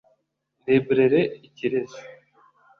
Libraire Ikirezi